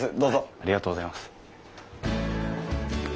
ありがとうございます。